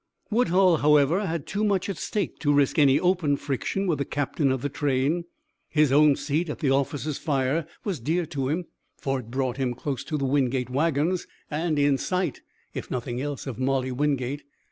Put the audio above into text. Woodhull, however, had too much at stake to risk any open friction with the captain of the train. His own seat at the officers' fire was dear to him, for it brought him close to the Wingate wagons, and in sight if nothing else of Molly Wingate.